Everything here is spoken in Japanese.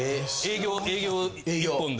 営業。